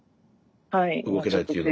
動けないっていうのは。